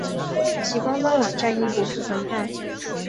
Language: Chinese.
其官方网站亦不复存在。